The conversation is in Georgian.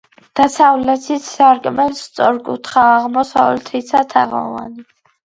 დასავლეთის სარკმელი სწორკუთხაა, აღმოსავლეთისა თაღოვანი.